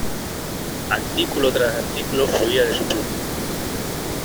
Artículo tras artículo fluía de su pluma.